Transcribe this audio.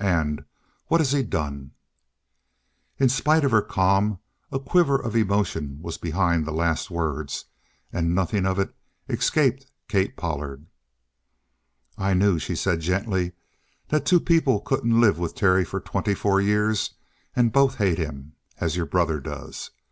And what has he done?" In spite of her calm, a quiver of emotion was behind the last words, and nothing of it escaped Kate Pollard. "I knew," she said gently, "that two people couldn't live with Terry for twenty four years and both hate him, as your brother does.